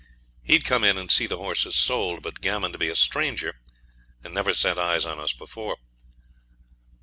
He'd come in and see the horses sold, but gammon to be a stranger, and never set eyes on us before.